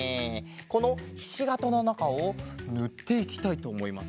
このひしがたのなかをぬっていきたいとおもいます。